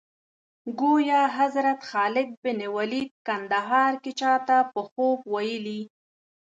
ګویا حضرت خالد بن ولید کندهار کې چا ته په خوب ویلي.